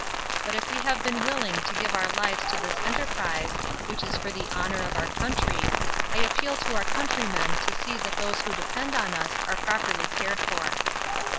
But if we have been willing to give our lives to this enterprise, which is for the honour of our country, I appeal to our countrymen to see that those who depend on us are properly cared for.